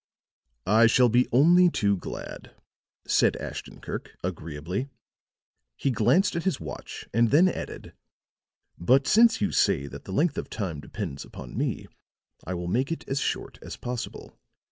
"I shall be only too glad," said Ashton Kirk, agreeably. He glanced at his watch and then added: "But since you say that the length of time depends upon me, I will make it as short as possible.